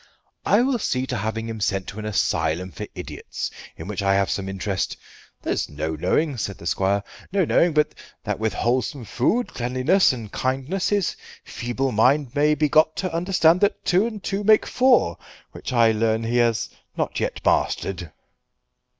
I will see to having him sent to an asylum for idiots in which I have some interest. There's no knowing," said the squire, "no knowing but that with wholesome food, cleanliness, and kindness his feeble mind may be got to understand that two and two make four, which I learn he has not yet mastered."